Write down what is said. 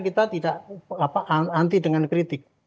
kita tidak anti dengan kritik